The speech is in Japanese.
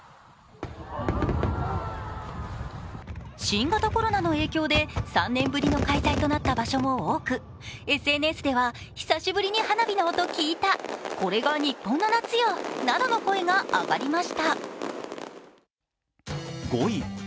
新型コロナの影響で３年ぶりの開催となった場所も多くＳＮＳには久しぶりに花火の音聞いたこれが日本の夏よなどの声が上がりました。